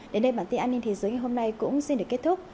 đến đây bản tin an ninh thế giới ngày hôm nay cũng xin được kết thúc